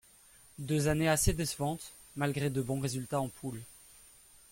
Deux années assez décevantes malgré de bons résultats en poule.